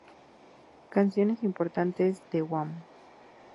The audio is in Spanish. Canciones importantes de Wham!